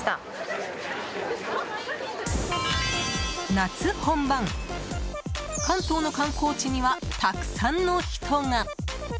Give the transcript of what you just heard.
夏本番、関東の観光地にはたくさんの人が。